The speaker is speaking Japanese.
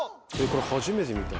これ初めて見た。